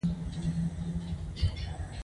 عقیق هم په ایران کې موندل کیږي.